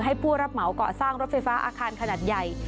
ผู้รับเหมาก่อสร้างรถไฟฟ้าอาคารขนาดใหญ่